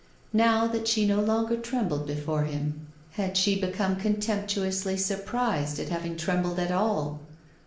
Now that she no longer trembled before him, had she become contemptuously surprised at having trembled at all?